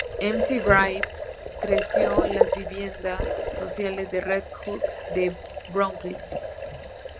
McBride creció en las viviendas sociales de Red Hook en Brooklyn.